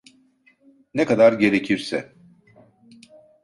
Ne kadar gerekirse.